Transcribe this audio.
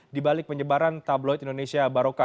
di balik penyebaran tabloid indonesia baroka